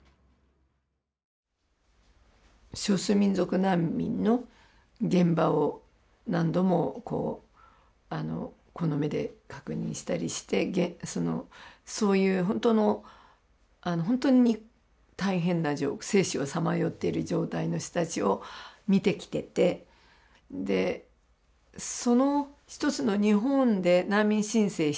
少数民族難民の現場を何度もこうこの目で確認したりしてそういうほんとのほんとに大変な生死をさまよってる状態の人たちを見てきててでその一つの日本で難民申請した人たちは代弁者だと。